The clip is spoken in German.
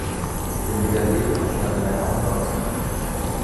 Denn weder leben noch sterben Männer umsonst.